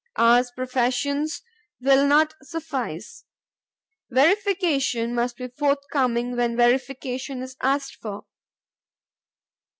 Ours professions will not suffice. Verification must be forthcoming when verification is asked for.